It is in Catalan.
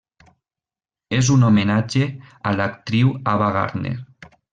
És un homenatge a l’actriu Ava Gardner.